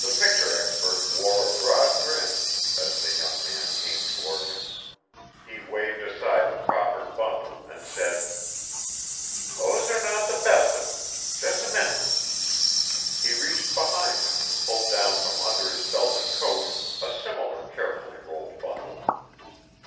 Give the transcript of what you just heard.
The picture expert wore a broad grin as the young man came toward him. He waved aside the proffered bundle and said: "Those are not the best of them. Just a minute." He reached behind him and pulled down from under his belted coat a similar carefully rolled bundle.